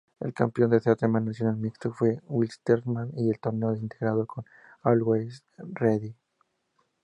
El campeón del Certamen Nacional Mixto fue Wilstermann y del Torneo Integrado Always Ready.